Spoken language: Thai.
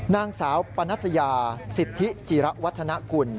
นางสาวปนัสยาสิทธิจิระวัฒนกุล